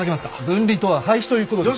「分離」とは廃止ということですか？